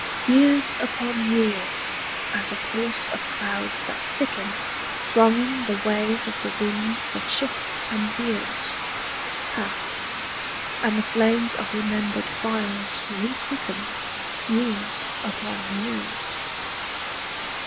YEARS upon years, as a course of clouds that thicken Thronging the ways of the wind that shifts and veers, Pass, and the flames of remembered fires requicken Years upon years.